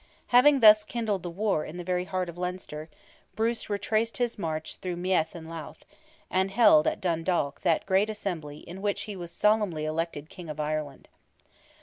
Having thus kindled the war, in the very heart of Leinster, Bruce retraced his march through Meath and Louth, and held at Dundalk that great assembly in which he was solemnly elected King of Ireland.